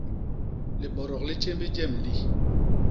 Libodok li tjémbi jem li.